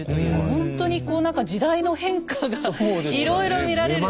ほんとにこう何か時代の変化がいろいろ見られる。